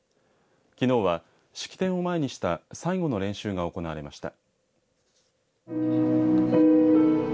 きのうは式典を前にした最後の練習が行われました。